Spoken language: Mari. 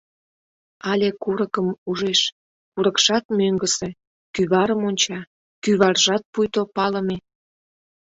Але курыкым ужеш — курыкшат мӧҥгысӧ, кӱварым онча — кӱваржат пуйто палыме.